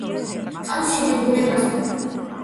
კავშირი ბუნებასთან.